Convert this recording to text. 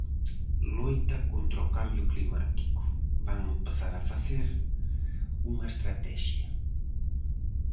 Loita contra o cambio climático, van empezar a facer unha estratexia.